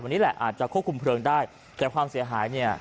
วันนี้แหละอาจจะควบคุมเพลิงได้แต่ความเสียหายเนี่ย